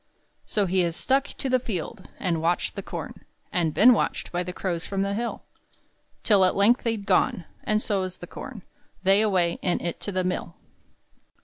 So he has stuck to the field And watched the corn, And been watched by the crows from the hill; Till at length they're gone, And so is the corn They away, and it to the mill.